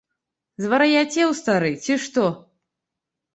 Звар'яцеў, стары, ці што?